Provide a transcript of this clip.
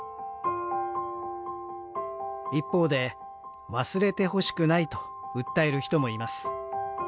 一方で「忘れてほしくない」と訴える人もいます。